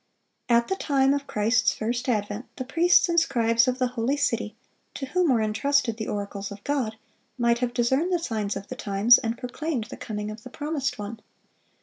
At the time of Christ's first advent, the priests and scribes of the holy city, to whom were intrusted the oracles of God, might have discerned the signs of the times, and proclaimed the coming of the Promised One.